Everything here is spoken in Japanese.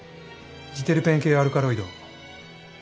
ジテルペン系アルカロイドを。